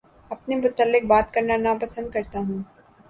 اپنے متعلق بات کرنا نا پسند کرتا ہوں